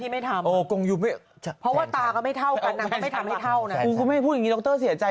แต่ว่าเขาเปิดหัวตากับเปิดหางตา